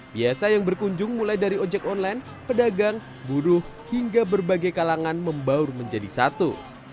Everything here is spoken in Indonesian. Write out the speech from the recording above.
biasa yang berkunjung mulai dari ojek online pedagang buruh hingga berbagai kalangan membaur menjadi satu